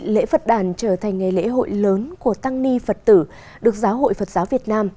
lễ phật đàn trở thành ngày lễ hội lớn của tăng ni phật tử được giáo hội phật giáo việt nam